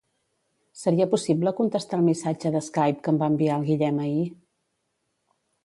Seria possible contestar el missatge de Skype que em va enviar el Guillem ahir?